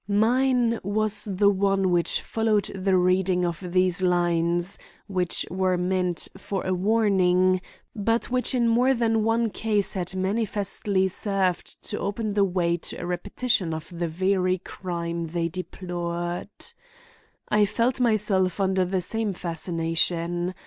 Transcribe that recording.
Mine was the one which followed the reading of these lines which were meant for a warning, but which in more than one case had manifestly served to open the way to a repetition of the very crime they deplored. I felt myself under the same fascination.